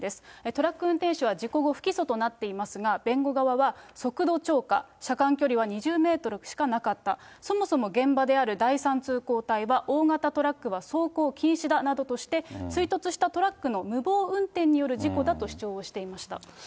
トラック運転手は事故後、不起訴となっていますが、弁護側は、速度超過、車間距離は２０メートルしかなかった、そもそも現場である第３通行帯は、大型トラックは走行禁止だなどとして、追突したトラックの無謀運転による事故だと主張をしていました。